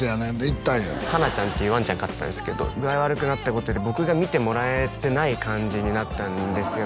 行ったんや花ちゃんっていうわんちゃん飼ってたんですけど具合悪くなったことで僕が見てもらえてない感じになったんですよ